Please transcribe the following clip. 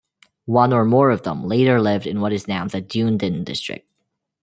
One or more of them later lived in what is now the Dunedin district.